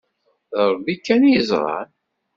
D Rebbi kan i yeẓran.